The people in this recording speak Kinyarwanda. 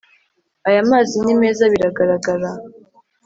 aya mazi ni meza biragaragara